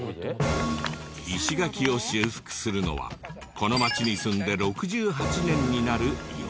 石垣を修復するのはこの町に住んで６８年になる吉田さん。